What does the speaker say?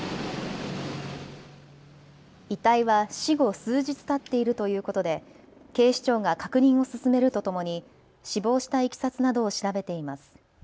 遺体は死後、数日たっているということで警視庁が確認を進めるとともに死亡したいきさつなどを調べています。